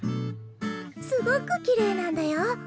すごくきれいなんだよ。